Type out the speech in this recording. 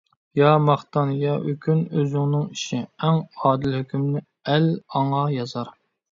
يا ماختان، يا ئۆكۈن ئۆزۈڭنىڭ ئىشى، ئەڭ ئادىل ھۆكۈمنى ئەل ئاڭا يازار.